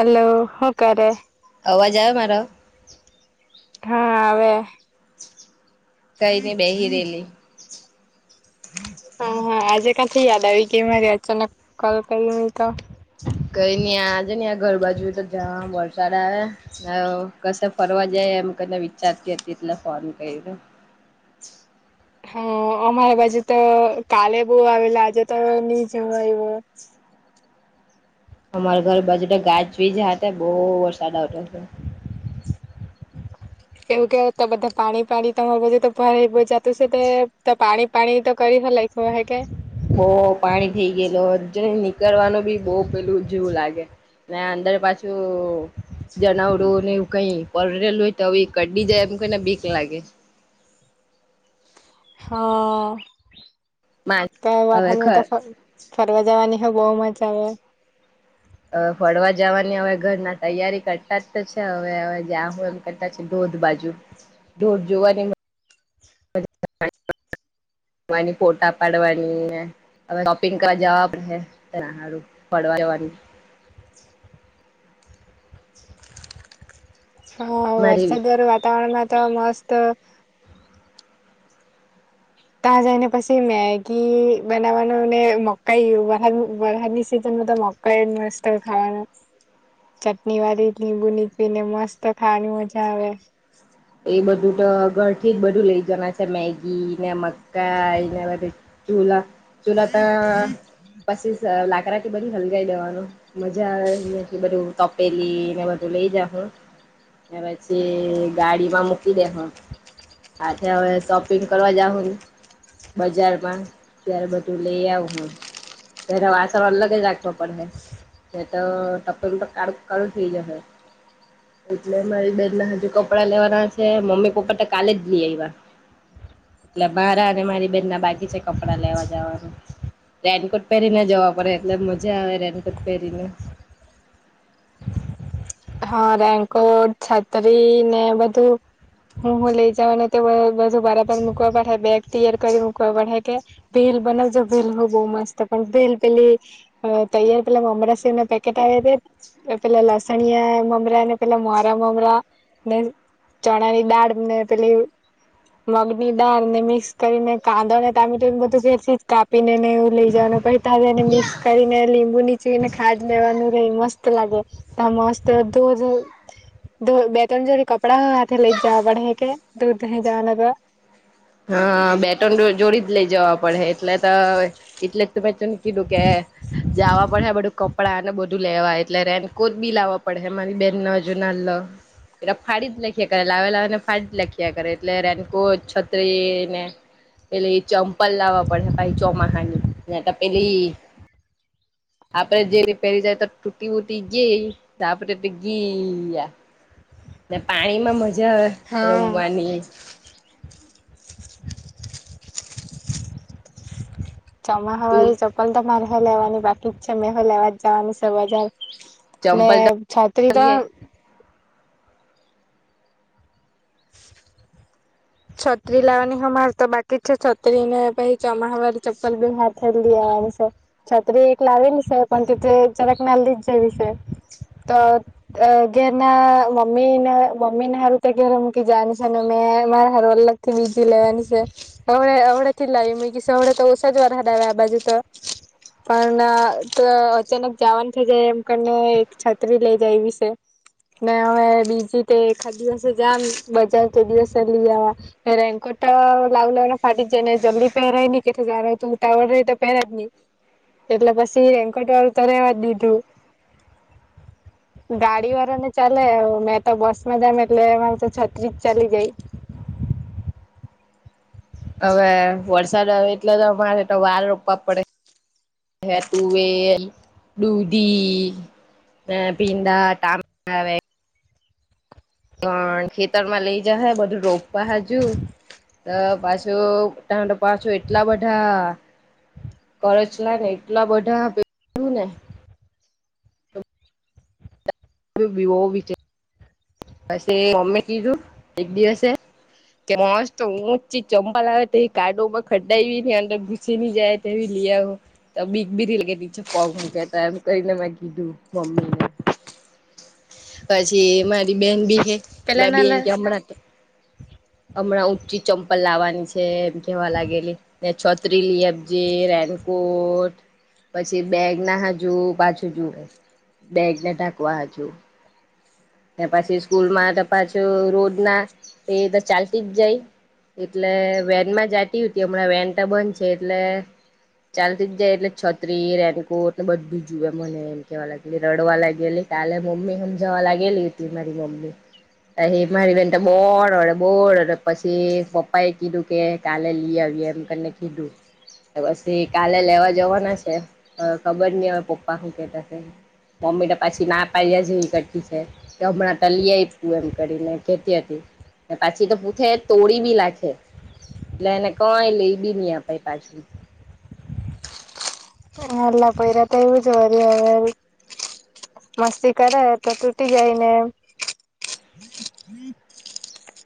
Hello, હૂ કરે અવાજ આવે મારા હા આવે કઈ નઈ બેહીરેલી [unintelligible] હા હા આજે [inaudible] યાદ આવી ગઈ મારે અચાનક કોલ કરી. તો કઈ નઇ આજે ને ઘર બાજુ તો જ વરસાદ આવે. ના કશે ફરવા જાય એમ કને વિચારતી હતી, એટલે ફોન કરીયો હમ્મ અમારા બાજુ તો કાલે બહૂ આવેલા આજે તો નહી જવા એ અમારા ઘર બાજુ ગાજવીજ હતા, બહુ વરસાદ આવતો હતો. એવું કેય તો બધા પાણી પાણી તમારી જે તો ભરે જાતું છે, પાણી પાણી તો કરી લખવા હે કે બહૂ પાણી થઈ ગયેલ જ નીકળવાનું બી બહ પેલું જેવું લાગે. મે અંદર પાછું જણવડું ને એવું કઈ પરેલું હોય તો કરડી જાય એમ કઈને બીક લાગે. હા કઈ વારતા હવે ફરવા જવાની હ હૂ મજા આવે. હ ફરવા જવાની હવે ઘરના તૈયારી કરતા જ છે, હવે હવે જાહુ એમ ધ બાજુ ઢોર જોવા અને [unintelligible] [inaudible] ની ફોટા પાડવાની, હવે શોપિંગ કરવા જવા ફડવા જવાની. [unintelligible] [inaudible] હા મારી વરસાદ વારું વાતાવરણ માં તો મસ્ત ત્યાં જઈને પછી મેગી બનાવાનું મકાઈ વરદ વરહાદ ની સીઝન મકા ઇસ્ટ થવાનું ચટણી વાળી લીંબુ નીકીને મસ્ત ખાવાની મજા આવે એ બધું તો ઘરથી જ બધું લઈ જવાના છે મેગી ને મ કઈના બ ચુલા ચુલા તો પછી લાકડાથી બધું હલગાવ દેવાનું મજા બધું તપેલી ને બધું લઈ. કે પછી ગાડીમાં મૂકી દેહો. હછા હવે શોપિંગ કરવા જાાવ ને બજાર પણ ત્યારે બધું લઈ આવ હમ. તોને વાચરણ અલગ જ રાખવા પડે તો ટપર કાળું કાળું થઈ જશે એટલે મારી બેન ના હજુ. કપડા લેવાના છે મમ્મી પપ્પા તો કાલે જ લઈ આવ્યા. એટલે મારા અને મારી બેનના બાકી છે કપડા લેવા જવાનું. રેનકોટ પહેરીને જવા પડે એટલે મજા આવે રેનકોટ પહેરીને [inaudible] હા રેનકોટ છત્રી ને બધું હું હું લઈ જઉને બધું બરાબ મકવા પાડે બેગ તૈયાર કરી મુકવા પડે કે ભી. લ બનાવજો ભેલ બહ મસ્ત પણ ભેલ પેલી તૈયાર પેલા અમરા શ ના પેકેટ આવ પેલા લસણિયા મમરા ને પેલા મારા મમરા ને ચણા ની દાળ ને પેલી મગની દાળ ને મિક્સ કરીને કાંદો ને તમેી એ બધું ફેરથી કાપી ને ને એવું લઈ જ ને મિક્સ કરીને લીંબુ નીચુઈને ખાદ લેવાનું રહી મસ્ત લાગે ત મસ્ત તો દોજ બે ત્રણ જોડ કપડા હોય હાથે લઈ જવા પડે કે દૂરહી જવા લગ હા બેટન જોડી જ લઈ જવા પડે એટલે તો એટલે જ તું મેં તોને કીધું કે જવા પડે બધું કપડાં અને બધું લેવા એટલે રેનકોટ બી લાવવા પડે મારી બેનજુ પ ફાડી જ લખ્યા કરે લાવે લાવેને ફાડી જ લખ્યા કરે એટલે રેનકો છ. તત્રને પેલે એ ચંપલ લાવવા પડે ભાઈ ચોમાસાની પેલી આપડે જે પહેરી જાય તો તૂટી ઉટી ગઈ આપડે તો ગયા. ને પાણી માં મજા આવે હા રમવાની [unintelligible] ચોમા તું હવાળની ચપલ તો મારે હ લેવાની બાકી જ છે મે હ લેવા જ જવાની સજાર ને ચંપલ તો છત્રી તો. લઈ છત્રી લાવની હ મા તો બાકી છે છત્રી ને ભછ ચમવાારી ચપલ બ હાથ દ. છત્રી એક લાવલી છે પણ ત જરાક નલ્દી જ જવી છે તો. અ ઘ ના મમ્મીને મમ્મી ને હારુંતા ગરમુંકી જાાન સને મે મા અલગ થી બીજી લેવાની છે હ હડે થી લાવીકીીશ હડે તો ઓછા જ વાર હ આવે્યા આ બાજુ તો હ. પણ અચાનક જવાન થઇ જાય એમ કરીને એક છત્રી લઇ જાય એ વિશે હવે બીજી તે ખાદી હસે જામ બજાર ખ દિવસે વા રેનકોટ લાવ લ ફાટી જ ને જલ્દી પહેરાઈ કે જ તું ઉતાવ ર.. પહે જની એટલે પછી રેન્કોટળ તો રહેવા જ દીધું. હ. ગાડી વાર ને ચાલે મે તો બસમાં જમે એલે માસ છત્રીસ ચલી જાય. હવે વરસાદ આવે એટલે તો તો વાર રોપવા પડે હે ટુવેલ દુધી હ પીડાા ટમે. પણ ખેતરમાં લઈ જ હ બધું રોપવા હજુ પાછ. તો પાછો એટલા બધા કરછલા ને એટલા બધા પેલુ ને [inaudible] પસે મોમે કીધુ એક દીવસે કે મસ્ત ઊંચી ચંપલ આવે તેવી કાડોવમા ખડાવ ને અંદર ઘુસી ની જાય તેવી આવ તો બીક બી ની લાગે પગ મુકે તો એમ કરીને મેં કીધું મમ્મીને પછી મારી બેન બી છે મે પેલા ના બેન કેય હમણાં હમણાં ઊંચી ચંપલ લાવવાની છે એમ કેવા લાગેલી છત્રી લી આપ જે રેનકોટ પછી બેગ ના હાજુ પાછું જુએ બેગને ઢાકવા હાજુ એ પછી સ્કૂલમાં તો પાછું રોડ ના એ તો ચાલતી જ જાય એટલે વેનમાં જાતી ઉતી હમણાં વેન તો બંધ છે એટલે ચાલતી જ જાય એટલે છત્રી રેનકોટ ને એટલે બધું જુએ મને એમ કેવા લાગે રડવા લાગેલી કાલે મમ્મી હમજાવા લાગેલી હતી મારી મમ્મી પહી મારી બેન તો બોરડે બોરડે પછી પપ્પા એ કીધું કે કાલે લી આવ એમ કરીને કીધું પછી કાલે લેવા જવાના છે હ ખબર ની હવે પપ્પા હું કેતાશે મમ્મી ત પાછી ના પાડ્યા જેવી કરટી છે. હમણાં તલી આયપુ એમ કરીને કેતી હતી. ના પછી તો પૂથે તોડી બી લાખે એટલે એને કય લેબી ન આપાય પાછું. નાલા પોઈરા ત એવું જ વરી અવે મસ્તી કરે તો તૂટી જાય ને [inaudible]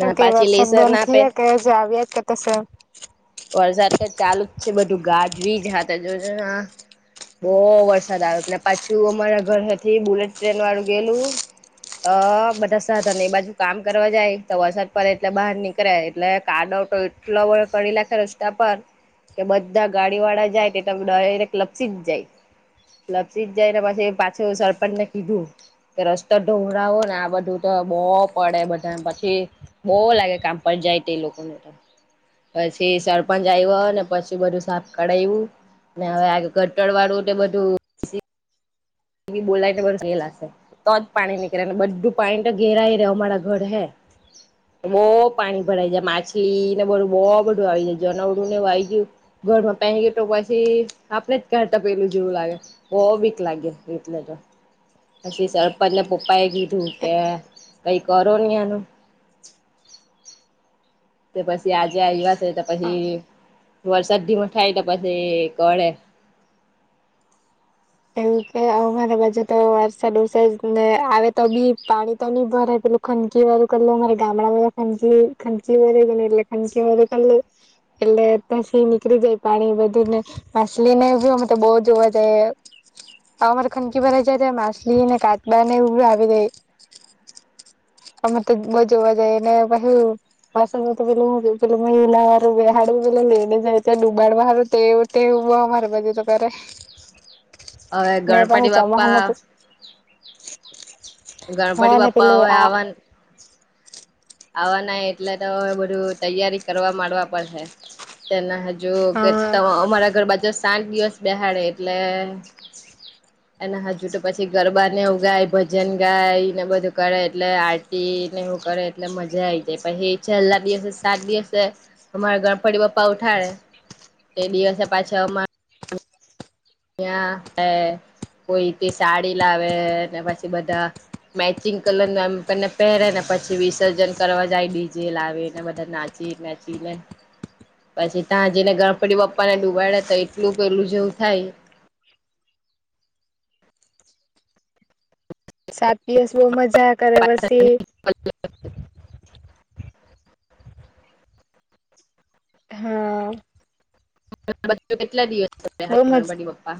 હુ કે પાછી વરસાદ લેસન બંધ આપે થયા કે હજુ આવ્યા જ કરત સે વરસાદ તો ચાલુ જ છે બધું ગાજ વીજ હાતા જોજો હા બો વરસાદ આવે પાછું અમારા ઘરથી બુલેટ ટ્રેન વાળું ગેલું અ બધા સાધન એ બાજુ કામ કરવા જાય તો વરસાદ પડે એટલે બહાર નીકળે એટલે કાડ [inaudible] રસ્તા પર કે બધા ગાડી વાળા જાય ત ડાયરેકટ લપસી જ જાય. લપસી જાયને પછી પાછુ સરપંચ ને કીધું કે રસ્તો ઢુંગળો ને આ બધું તો બો પડે બધાને પછી બો લાગે કામ પર જાય તે લોકોને તો પછી સરપંચ આવ્યોને પછી બધું સાપ કરાયું હવે આ ગટર વાળું તે બધું બોલાયને ગેલાશે તો જ પાણી નીકળે બધું પાણી તો ઘેરાય રેય અમારા ઘર હે બો પાણી ભરાઈ જાય માછલીને બધું બહ બધું આવી જાય જનાવડું ને એવું આવી ગયુ ઘરમાં પેહે ગયુ તો પછી આપણે જ કાઢતા પેલું જેવું લાગે બઘ બીક લાગે એટલે ત પછી સરપંચના પપ્પા એ કીધું કે કઈ કરો ની આનું તે પછી આજે આવ્યા છે તો પહી વરસાદધીમાં થાય પછી કરે એવું કે અમારા બાજુ તો વારસાદ ઓસ જ ને આવે તો બી પાણી તો ની ભરાય પેલું ખનકી વાળું મારે ગામડામાં ખ ખંનકી [unintelligible] એટલે [unintelligible] એટલે તયથી નીકળી જાય પાણી બધી ને માછલી ને બી અમે તો બો જોવા જાયે [inaudible] આ અમારે ખનકી ભરાઈ જાય તયા માછલી ને કાટવા ને એવું આવી રેય [inaudible] અમે તો બો જોવા જાયેં ને પહી [unintelligible] લેને જાય ડુબાડવ તેવી તે બો અમારે બાજુ તો કરે [inaudible] નને બા હ ગણપતિ ચમાહન બાપ્પા તો હા ગણપદી ને પપ્પાઓ પેલું આ આવવાના આવવા નાય એટલે તોવે બધું તૈયારી કરવા માંડવા પડશે છે તેના જો કે હા અમારા ઘર બાજુ સાઠ દિવસ બેહાડે એટલે એના હાથ જુટ પછી ગરબાને ગાય ભજન ગાયને બધું કરે એટલે આરતી એવું કરે એટલે મજા આ આવી જાય પછ છેલ્લા દિવસે સાત દિવસે અમારે ગણપતિ પપ્પા ઉઠાડે એ દિવસે પાછા અમે ત્યા કોઈ સાડી લાવે ને પછી બધા મેચિંગ કલર ન એમને પહેરે ને પછી વિસર્જન કરવા જાય ડીજે લાવ ને બધા નાચે ચી ના ચીને પછી ત્યાં જેને ગણપતિ પપ્પા ને ડુબાડે તો એટલું પેલું જેવું થાય સા પીયસ બહુ મજા કરે પછી થાય હા કેટલા દિવસ બહુ મજ પપ્પા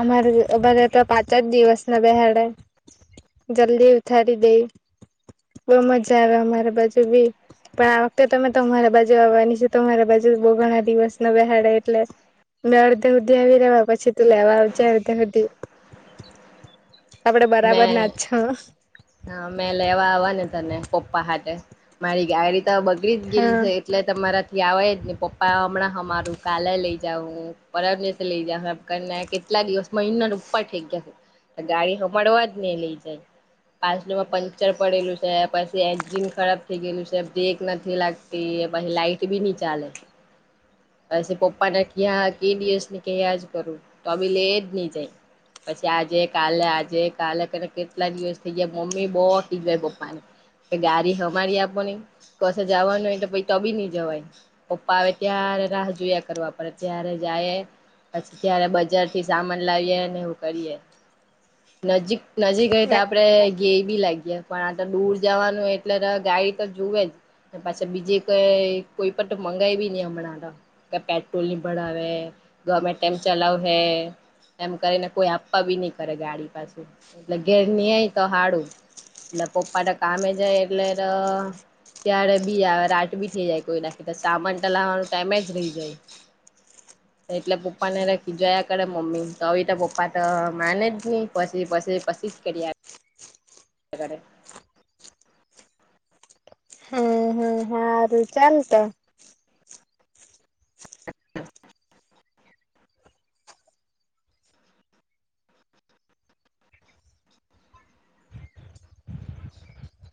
અમારે અમારે તો પાંચા જ દિવસ ના બેહાડે જલ્દી ઉતારી દઈ બઉ મજા આવ અમારા બાજુ બી પણ આ વખતે તમે તમારા બાજુ આવવાની છે તમારા બાજુ બહુ ઘણા દિવસ ન બેહાડે એટલે મેં અડધે સુુધી આવી લેવા પછી તું લેવા આવજે અડધે સુધી આપડે મે બરાબર ના જ છો હા મે લેવાઆવવા ને તને પપ્પા હા મારી આ બગડી જ ગયેલ હા છે એટલે તમારા થી આવે જ ને પપ્પા હમણાં અમારું કાલે લઈ જાવું પરમ દિવસેલઈ જયા કેટલા દિવસમાં ઇનર ઉપર ઠઈ ગયા છે ગાડી મળવા જ ને લઈ જાય પાછમાં પંક્ચર પડેલું છે પછી એન્જિન ખરાબ થઈ ગયેલું છે બ્રેક નથી લાગતી ભ લાાઈટ બી નહી ચાલે પછી પપ્પા ના ક્યા કે દિવસ ને કયા જ કરું તો આવીી લે જ નહી જાય પછી આજે કાલે આજે કાલે કેટલા દિવસ થઇ જાય મમ્મી બહ થી જાય પપ્પા ને ગાડી અમારી આપોની ક જવાનું હોય તો પ તબી નઈ જવાય પપ્પા આવે ત્યારે રાહ જોયા કરવા પડે ત્યારે જ આ પછી ત્યારે બજાર થી સામાન લાવીએ ને એવું કરીએ નજીક નજીક ગઈ હ તો આપડે ગ એ બી લાગી પણ આ તો દૂર જવાનું એટલે ગાડી તો જુવે જ પાછી બીજે કઈ કોઈ પણ મંગાવી નઈ હમણાં તો કે પેટ્રોલ ની ભણાવે ગમેતેમ ચલાવ હે એમ કરીને કોઈ આપવા બી નહી કરે ગાડી પાછું એટલે ઘેર નની અય તો હાડું એટલેટ કામે જાય એટલે ત્યારે બી આવે રાત બી થઈ જાય કોઈ નાખી તો સામાન તો લાવવાનું ટાઈમે જ રહી જાય એટલે પપ્પા ને રાખી જોયા કરે મમ્મી તો આવી તો પપ્પા તો માને જ નહી પછી પી પાસે પ્રસિદ્ધ કરી્યા એ કડ હ ચાલ તો હ [inaudible]